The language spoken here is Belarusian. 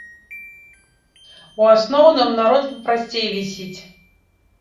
У асноўным народ папрасцей вісіць.